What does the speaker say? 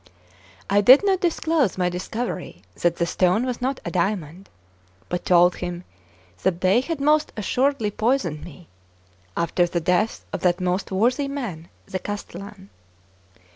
I did not disclose my discovery that the stone was not a diamond, but told him that they had most assuredly poisoned me, after the death of that most worthy man the castellan.